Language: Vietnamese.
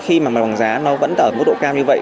khi mà bằng giá nó vẫn ở mức độ cao như vậy